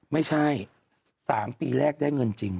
ไม่ใช่๓ปีแรกได้เงินจริง